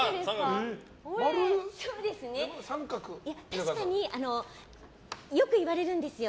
確かに、よく言われるんですよ。